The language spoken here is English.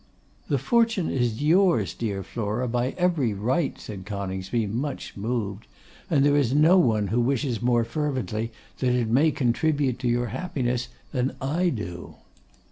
'The fortune is yours, dear Flora, by every right,' said Coningsby, much moved; 'and there is no one who wishes more fervently that it may contribute to your happiness than I do.